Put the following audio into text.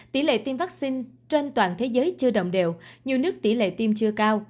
tỷ lệ tiêm vaccine trên toàn thế giới chưa đồng đều nhiều nước tỷ lệ tiêm chưa cao